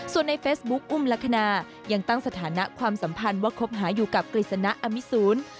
ส่วนในเฟซบุ๊คอุ้มลักษณะยังตั้งสถานะความสัมพันธ์ว่าคบหาอยู่กับกฤษณะอมิสูร